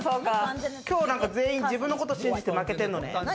今日全員、自分のこと信じて負けてんのね。